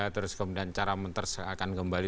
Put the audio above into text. terus kemudian cara mentersaakan kembali